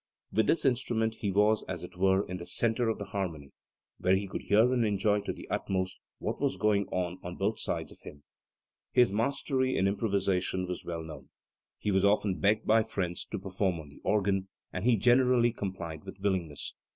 "With this instrument he was as it were in the centre of the harmony, where he could hear and enjoy to the utmost what was going on on both sides of him". His mastery in improvisation was well known. He was often begged by friends to perform on the organ, and he generally complied with willingness.